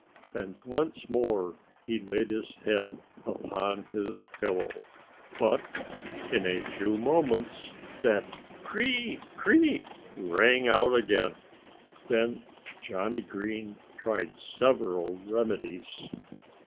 And once more he laid his head upon his pillow. But in a few moments that cr r r i! cr r r i! rang out again. Then Johnnie Green tried several remedies.